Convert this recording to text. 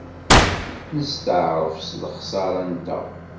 Nesteɛṛef s lexṣara-nteɣ.